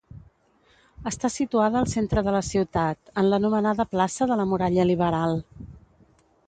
Està situada al centre de la ciutat, en l'anomenada plaça de la Muralla Liberal.